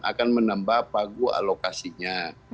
akan menambah pagu alokasinya